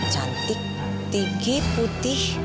cantik tinggi putih